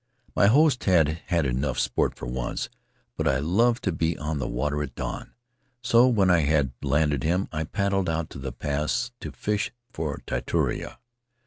My host had had enough sport for once, but I love to be on the water at dawn, so when I had landed him I paddled out to the pass to fish for titiara.